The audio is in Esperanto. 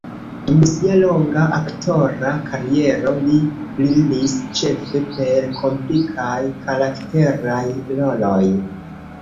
Dum sia longa aktora kariero li brilis ĉefe per komplikaj karakteraj roloj.